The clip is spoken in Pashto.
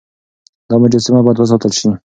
دا مجسمه بايد وساتل شي.